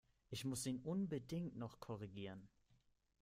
Ich muss ihn unbedingt noch korrigieren!